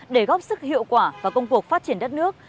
để góp sức hiệu quả và công cuộc phát triển đất nước